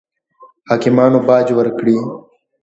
حاکمانو باج ورکړي.